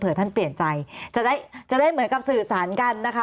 เพื่อท่านเปลี่ยนใจจะได้จะได้เหมือนกับสื่อสารกันนะคะ